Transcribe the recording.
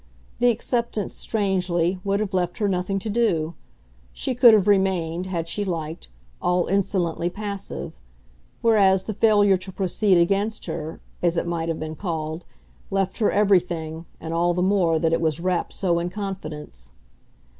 The acceptance, strangely, would have left her nothing to do she could have remained, had she liked, all insolently passive; whereas the failure to proceed against her, as it might have been called, left her everything, and all the more that it was wrapped so in confidence.